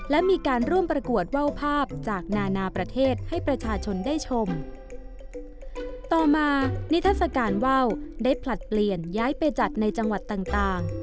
และมีการร่วมประกวดว่าวภาพจากนานาประเทศให้ประชาชนได้ชมต่อมานิทัศกาลว่าวได้ผลัดเปลี่ยนย้ายไปจัดในจังหวัดต่างต่าง